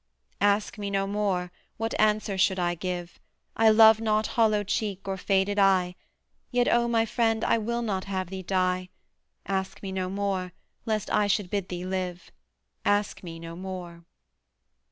Ask me no more: what answer should I give? I love not hollow cheek or faded eye: Yet, O my friend, I will not have thee die! Ask me no more, lest I should bid thee live; Ask me no more.